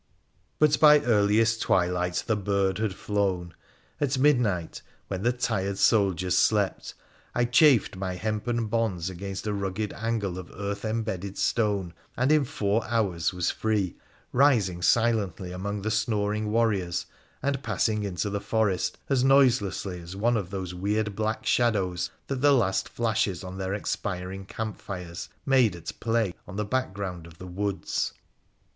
But by earliest twilight the bird had flown ! At midnight, when the tired soldiers slept, I chafed my hempen bonds against a rugged angle of earth embedded stone, and in four hours was free, rising silently among the snoring warriors, and passing into the forest as noiselessly as one of those weird black shadows that the last flashes of their expiring camp fires made at play on the background of the woods.